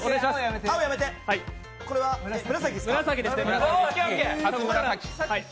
青やめて、これは紫ですか。